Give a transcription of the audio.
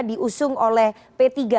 diusung oleh p tiga